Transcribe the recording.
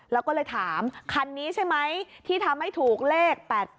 แล้วก็เลยถามคันนี้ใช่ไหมที่ทำให้ถูกเลข๘๘